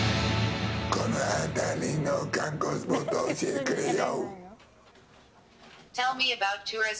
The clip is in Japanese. この辺りの観光スポットを教えてくれよ！